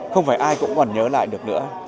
không phải ai cũng còn nhớ lại được nữa